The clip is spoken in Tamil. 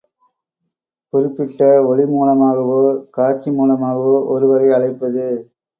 குறிப்பிட்ட ஒலிமூலமாகவோ காட்சி மூலமாகவோ ஒருவரை அழைப்பது.